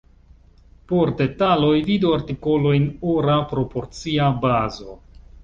Por detaloj, vidu artikolojn ora proporcia bazo.